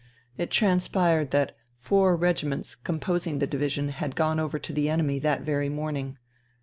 It transpired that four regiments composing the division had gone over to the enemy that very morning.